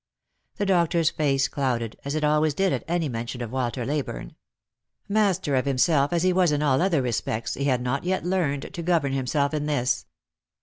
The doctor's face clouded, as it always did at any mention of Walter Leyburne. Master of himself as he was in all other respects, he had not yet learned to govern himself in this.